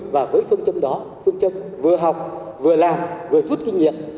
và với phương châm đó phương châm vừa học vừa làm vừa rút kinh nghiệm